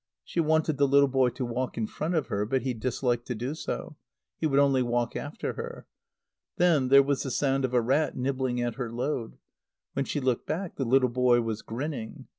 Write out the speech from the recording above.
She wanted the little boy to walk in front of her; but he disliked to do so. He would only walk after her. Then there was the sound of a rat nibbling at her load. When she looked back, the little boy was grinning.